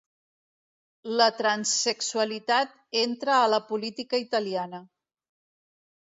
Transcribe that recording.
La transsexualitat entra a la política italiana